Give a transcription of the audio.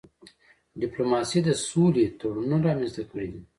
ډيپلوماسي د سولې تړونونه رامنځته کړي دي.